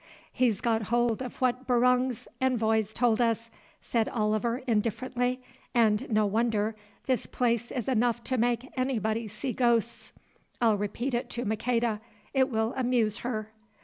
"He's got hold of what Barung's envoys told us," said Oliver, indifferently, "and no wonder, this place is enough to make anybody see ghosts. I'll repeat it to Maqueda; it will amuse her."